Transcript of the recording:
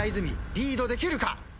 リードできるか！？